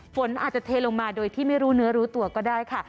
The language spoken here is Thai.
ฝนอาจจะเทลงมาโดยที่ไม่รู้เนื้อรู้ตัวก็ได้ค่ะ